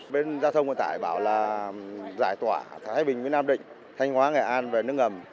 bên giao thông vận tải bảo là giải tỏa thái bình với nam định thanh hóa nghệ an về nước ngầm